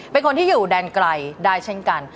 เป็นคนที่อยู่แดนไกลได้เช่นกัน